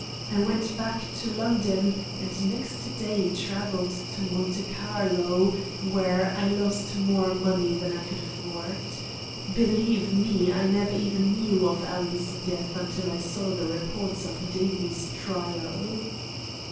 I went back to London, and next day travelled to Monte Carlo, where I lost more money than I could afford. Believe me, I never even knew of Alan's death until I saw the reports of Davie's trial."